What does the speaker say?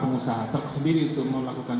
pengusaha tersebut untuk melakukan